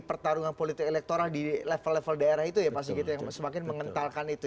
pertarungan politik elektoral di level level daerah itu ya pasti gitu yang semakin mengentalkan itu